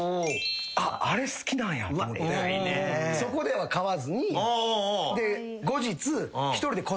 そこでは買わずに後日。